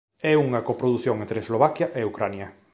É unha coprodución entre Eslovaquia e Ucraína.